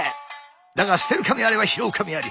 だが捨てる神あれば拾う神あり。